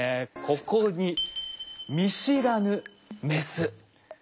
ここに見知らぬメス。